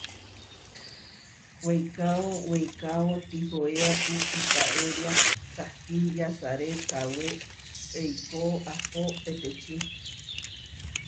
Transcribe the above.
Weikáo weikáo tihoéapu kitaéria, kahtí yasaré kawé eikó ahpó peteči.